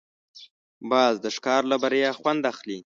باز د ښکار له بریا خوند اخلي